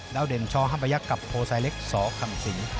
แล้วเด่นช่องข้างไปยักษ์กับโพรไซเล็กสคำศรี